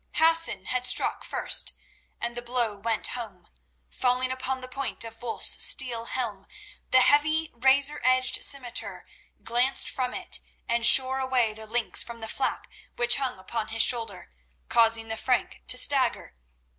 Hassan had struck first and the blow went home. Falling upon the point of Wulf's steel helm, the heavy, razoredged scimitar glanced from it and shore away the links from the flap which hung upon his shoulder, causing the Frank to stagger.